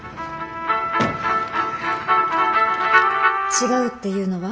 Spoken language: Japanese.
違うっていうのは？